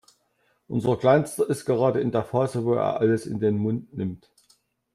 Unser Kleinster ist gerade in der Phase, wo er alles in den Mund nimmt.